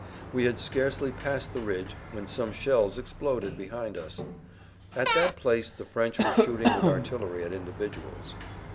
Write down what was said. We had scarcely passed the ridge when some shells exploded behind us. At that place the French were shooting with artillery at individuals.